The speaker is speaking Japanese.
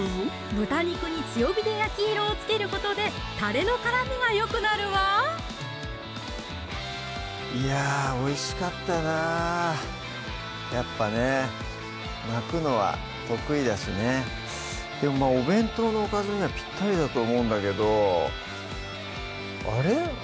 豚肉に強火で焼き色をつけることでたれのからみがよくなるわいやぁおいしかったなやっぱね巻くのは得意だしねでもまぁお弁当のおかずにはぴったりだと思うんだけどあれ？